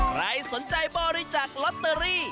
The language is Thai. ใครสนใจบริจาคลอตเตอรี่